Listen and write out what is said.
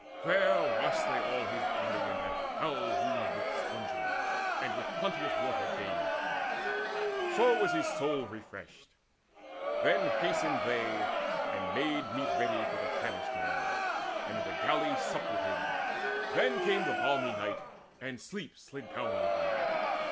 There washed they all his body and that foul wound With sponges, and with plenteous water bathed: So was his soul refreshed. Then hasted they And made meat ready for the famished man, And in the galley supped with him. Then came The balmy night, and sleep slid down on them.